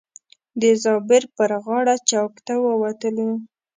د زابر پر غاړه چوک ته ووتلو.